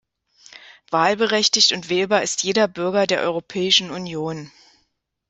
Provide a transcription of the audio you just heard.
Wahlberechtigt und wählbar ist jeder Bürger der Europäischen Union.